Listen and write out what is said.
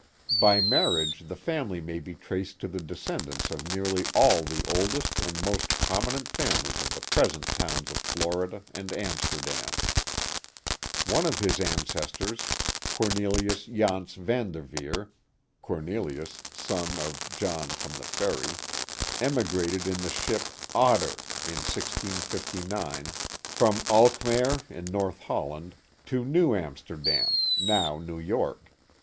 By marriage the family may be traced to the descendants of nearly all the oldest and most prominent families of the present towns of Florida and Amsterdam. One of his ancestors, Cornelius Janse Van Derveer (Cor nelius, son of John from the ferry), emigrated in the ship Otter in 1659 from Alkmaer in North Holland to New Amsterdam (now New York).